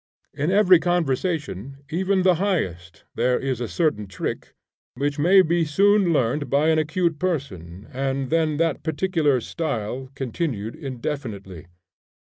In every conversation, even the highest, there is a certain trick, which may be soon learned by an acute person and then that particular style continued indefinitely.